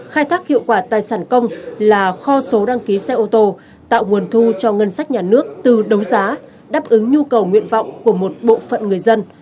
khai thác hiệu quả tài sản công là kho số đăng ký xe ô tô tạo nguồn thu cho ngân sách nhà nước từ đấu giá đáp ứng nhu cầu nguyện vọng của một bộ phận người dân